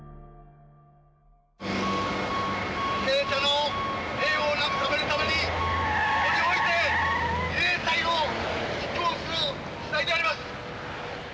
犠牲者の霊を慰めるためにここにおいて慰霊祭を実行するしだいであります！